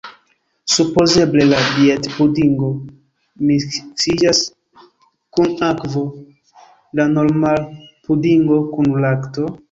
Supozeble la dietpudingo miksiĝas kun akvo, la normalpudingo kun lakto?